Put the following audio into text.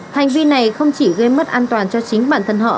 hành vi này không chỉ gây mất an toàn cho chính bản thân họ